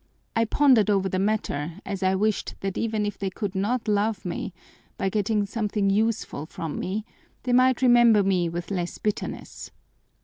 I pondered over the matter, as I wished that even if they could not love me, by getting something useful from me, they might remember me with less bitterness.